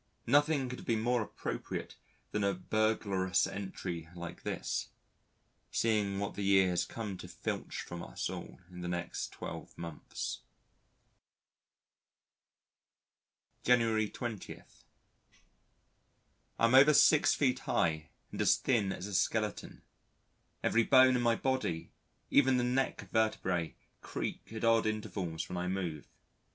Nothing could have been more appropriate than a burglarious entry like this seeing what the year has come to filch from us all in the next 12 months. January 20. I am over 6 feet high and as thin as a skeleton; every bone in my body, even the neck vertebrae, creak at odd intervals when I move.